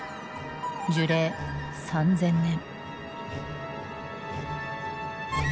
樹齢３，０００年。